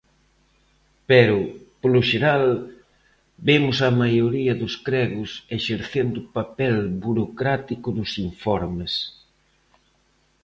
Pero, polo xeral, vemos á maioría dos cregos exercendo o papel burocrático dos informes.